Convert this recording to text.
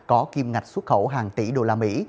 có kim ngạch xuất khẩu hàng tỷ đô la mỹ